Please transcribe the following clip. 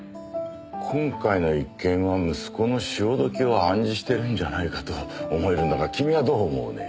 今回の一件は息子の潮時を暗示してるんじゃないかと思えるんだが君はどう思うね？